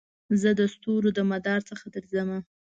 زه دستورو دمدار څخه درځمه